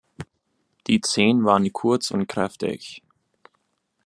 Die Zehen waren kurz und kräftig.